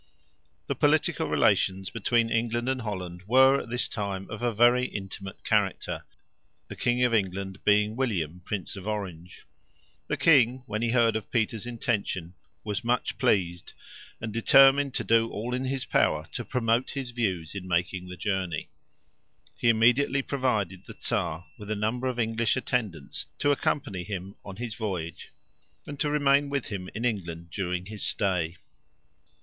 The political relations between England and Holland were at this time of a very intimate character, the King of England being William, Prince of Orange. The king, when he heard of Peter's intention, was much pleased, and determined to do all in his power to promote his views in making the journey. He immediately provided the Czar with a number of English attendants to accompany him on his voyage, and to remain with him in England during his stay.